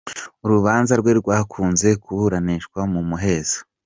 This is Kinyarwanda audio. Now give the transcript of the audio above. Urubanza rwe rwakunze kuburanishwa mu muhezo.